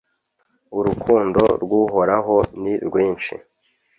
Urukundo rw’Uhoraho ni rwinshi,